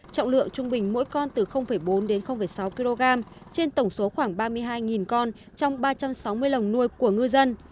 trọng lượng trung bình mỗi con từ bốn đến sáu kg trên tổng số khoảng ba mươi hai con trong ba trăm sáu mươi lồng nuôi của ngư dân